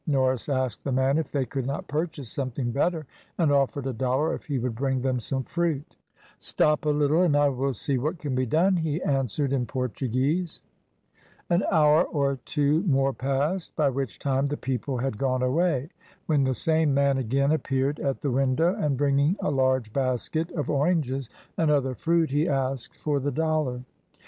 Norris asked the man if they could not purchase something better, and offered a dollar if he would bring them some fruit. "Stop a little, and I will see what can be done," he answered in Portuguese. An hour or two more passed, by which time the people had gone away, when the same man again appeared at the window, and bringing a large basket of oranges and other fruit, he asked for the dollar.